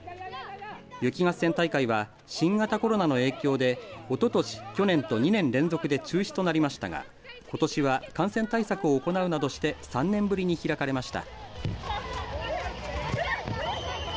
雪合戦大会は新型コロナの影響でおととし、去年と２年連続で中止となりましたがことしは感染対策を行うなどして３年ぶりに開かれました。